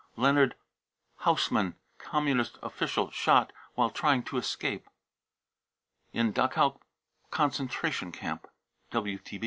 leonhard hausmann, Communist official, shot " whj trying to escape 55 in Dachau concentration camp.